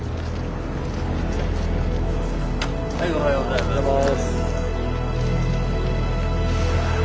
おはようございます。